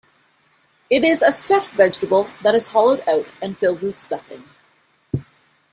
It is a stuffed vegetable that is hollowed out and filled with stuffing.